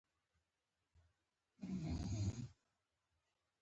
ادې مې هم په پټي غره وه، مسته ګرځېده.